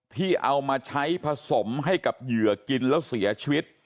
ที่เอามาใช้ผสมให้กับเหยื่อกินแล้วเสียชีวิต